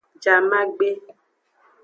Jamagbe.